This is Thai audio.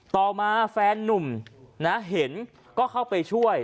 ต่อมาแฟนนุ่มนะเห็นก็เข้าไปช่วย